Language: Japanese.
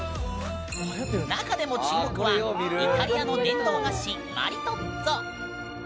中でも注目はイタリアの伝統菓子マリトッツォ！